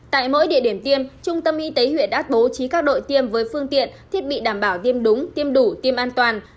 tại mỗi địa điểm tiêm trung tâm y tế huyện đã bố trí các đội tiêm với phương tiện thiết bị đảm bảo tiêm đúng tiêm đủ tiêm an toàn